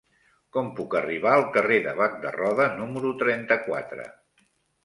Com puc arribar al carrer de Bac de Roda número trenta-quatre?